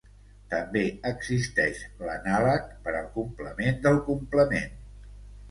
També existeix l'anàleg per al complement del complement.